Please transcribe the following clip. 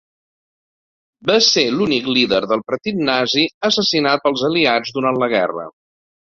Va ser l'únic líder del Partit Nazi assassinat pels Aliats durant la guerra.